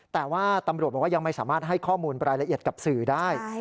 แต่ว่าตำรวจบอกว่ายังไม่สามารถให้ข้อมูลรายละเอียดกับสื่อได้